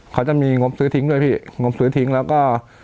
เขาจะมีงบซื้อทิ้งด้วยพี่งบซื้อทิ้งแล้วก็